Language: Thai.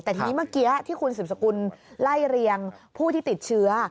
แต่ทีนี้เมื่อกี้ที่คุณสืบสกุลไล่เรียงผู้ที่ติดเชื้อ